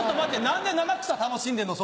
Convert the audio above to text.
何で七草楽しんでんの？